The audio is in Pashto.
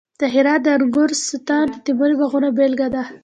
د هرات د انګورستان د تیموري باغونو بېلګه ده